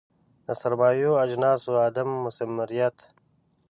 د سرمایوي اجناسو عدم مثمریت.